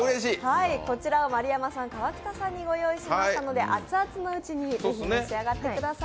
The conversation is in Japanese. こちらを丸山さん川北さんにご用意しましたので熱々のうちに、ぜひ召し上がってください。